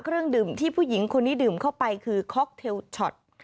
เครื่องดื่มที่ผู้หญิงคนนี้ดื่มเข้าไปคือค็อกเทลช็อต